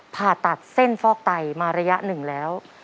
ผ่าตัดเส้นฟอกไตมาระยะหนึ่งแล้ว